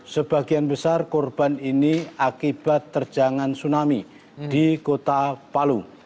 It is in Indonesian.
sebagian besar korban ini akibat terjangan tsunami di kota palu